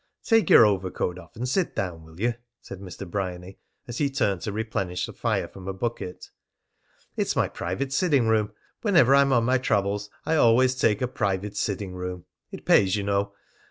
"Take your overcoat off and sit down, will you?" said Mr. Bryany as he turned to replenish the fire from a bucket. "It's my private sitting room. Whenever I am on my travels, I always take a private sitting room. It pays, you know.